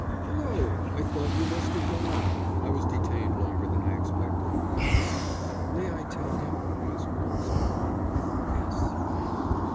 "Hulloa, I thought you must have gone! I was detained longer than I expected." "May I tell him?" asked Wroxham. "Yes!"